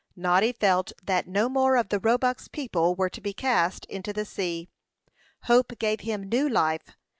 Noddy felt that no more of the Roebuck's people were to be cast into the sea. Hope gave him new life.